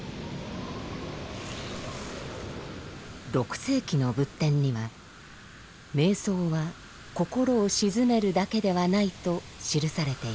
６世紀の仏典には「瞑想は心を静めるだけではない」と記されています。